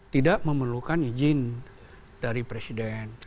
tidak memerlukan izin dari presiden